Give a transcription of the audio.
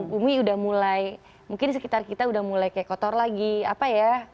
bumi udah mulai mungkin di sekitar kita udah mulai kayak kotor lagi apa ya